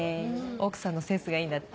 奥さんのセンスがいいんだって。